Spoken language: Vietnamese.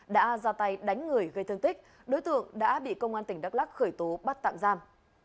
đã ra tay đánh người gây thương tích đối tượng đã bị công an tỉnh đắk lắc khởi tố bắt tạm giam